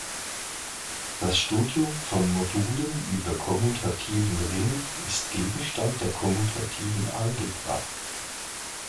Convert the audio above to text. Das Studium von Moduln über kommutativen Ringen ist Gegenstand der kommutativen Algebra.